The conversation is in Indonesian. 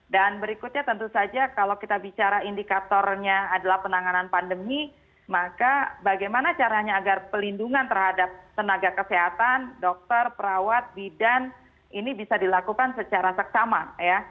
dan berikutnya tentu saja kalau kita bicara indikatornya adalah penanganan pandemi maka bagaimana caranya agar pelindungan terhadap tenaga kesehatan dokter perawat bidan ini bisa dilakukan secara seksama ya